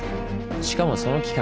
しかもその期間